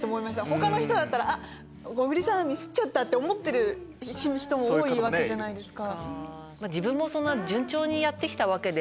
他の人だったら小栗さんミスった！って思ってる人も多いわけじゃないですか。